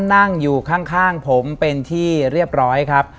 นั่งอยู่ข้างผมเป็นที่เรียบร้อยครับ